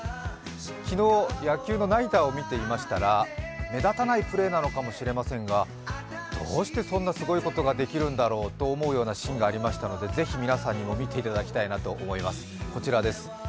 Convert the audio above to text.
昨日野球のナイターを見ていましたら目立たないプレーなのかもしれませんが、どうしてそんなにすごいことができるんだろうと思うようなシーンがありましたので、是非皆さんにも見ていただきたいなと思います、こちらです